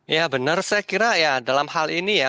ya benar saya kira ya dalam hal ini ya